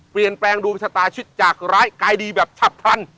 เปลี่ยนแปลงดวงชะตาชิดจากร้ายกายดีแบบฉับพลัน